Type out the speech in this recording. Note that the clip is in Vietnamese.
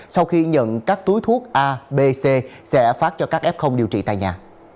sau khi nhận các túi thuốc a b c sẽ phát cho các f điều trị tại nhà